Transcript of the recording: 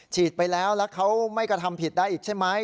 ฉีดไปแล้วแล้วเขาไม่กระทำผิดได้อีกใช่ไหม